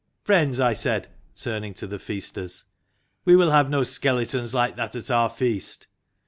" Friends," I said, turning to the Feasters, " we will have no skeletons like that at our feast."